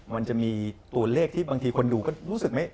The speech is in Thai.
มันจะมีตัวเลขที่บางทีคนดูก็รู้สึกไม่